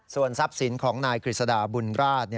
ส่วนทรัพย์สินของนายกฤษฎาบุญราช